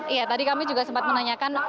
iya tadi kami juga sempat menanyakan